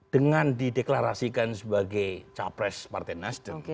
dengan dideklarasikan sebagai capres partai nasdem